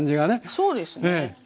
そうですね。